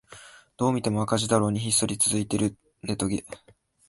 どう見ても赤字だろうにひっそり続いているネトゲ